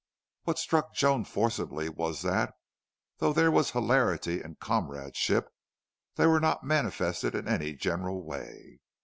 What struck Joan forcibly was that, though there were hilarity and comradeship, they were not manifested in any general way.